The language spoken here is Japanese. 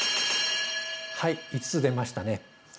はい５つ出ましたね。